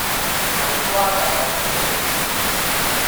矮瓜就係茄子